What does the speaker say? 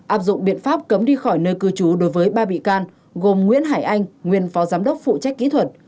áp dụng biện pháp cấm đi khỏi nơi cư trú đối với ba bị can gồm nguyễn hải anh nguyên phó giám đốc phụ trách kỹ thuật